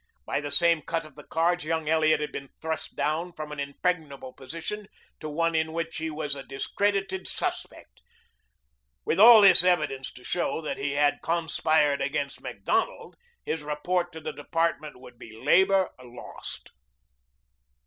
By the same cut of the cards young Elliot had been thrust down from an impregnable position to one in which he was a discredited suspect. With all this evidence to show that he had conspired against Macdonald, his report to the Department would be labor lost.